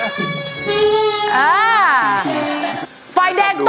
โดยเชียร์มวยไทยรัฐมาแล้ว